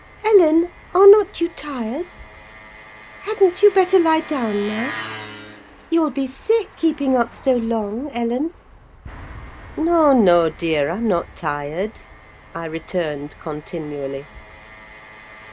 "Ellen, are not you tired? Hadn't you better lie down now? You'll be sick, keeping up so long, Ellen." "No, no, dear, I'm not tired," I returned, continually.